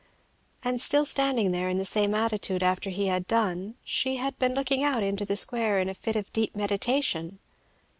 And still standing there in the same attitude after he had done she had been looking out towards the square in a fit of deep meditation.